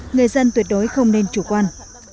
người dân tuyệt đối không nên chủ quan